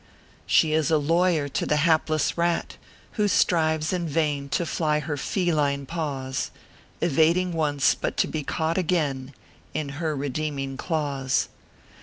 She is a lawyer to the hapless rat, "Who strives in vain to fly her fee line paws, Evading once, but to be caught again In her redeeming claws.